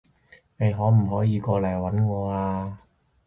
你可唔可以過嚟搵我啊？